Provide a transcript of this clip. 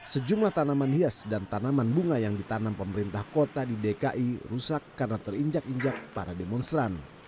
sejumlah tanaman hias dan tanaman bunga yang ditanam pemerintah kota di dki rusak karena terinjak injak para demonstran